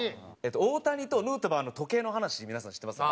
大谷とヌートバーの時計の話皆さん知ってます？